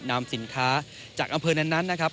นำสินค้าจากอำเภอนั้นนะครับ